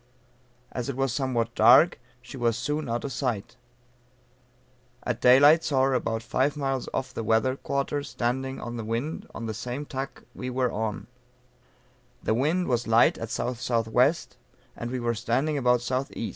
As it was somewhat dark she was soon out of sight. At daylight saw her about five miles off the weather quarter standing on the wind on the same tack we were on, the wind was light at SSW and we were standing about S.E.